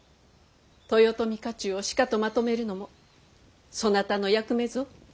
豊臣家中をしかとまとめるのもそなたの役目ぞ。